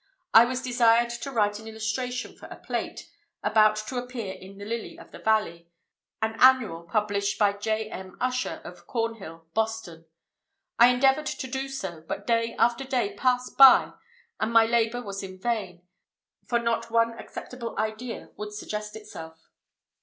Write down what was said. I was desired to write an illustration for a plate, about to appear in the "Lily of the Valley," an Annual published by J. M. Usher, of Cornhill, Boston. I endeavored to do so, but day after day passed by and my labor was in vain, for not one acceptable idea would suggest itself.